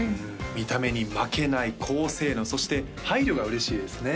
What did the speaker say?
見た目に負けない高性能そして配慮が嬉しいですね